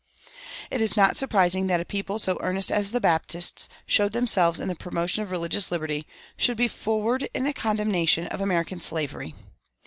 It is not surprising that a people so earnest as the Baptists showed themselves in the promotion of religious liberty should be forward in the condemnation of American slavery.